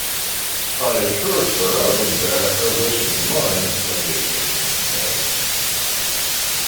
I assured her I would bear her wishes in mind when the occasion came.